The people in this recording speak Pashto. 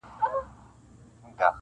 • ورور له کلي لرې تللی دی..